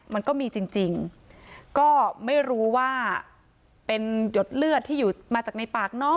มันก็มีจริงจริงก็ไม่รู้ว่าเป็นหยดเลือดที่อยู่มาจากในปากน้อง